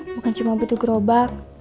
bukan cuma butuh berobak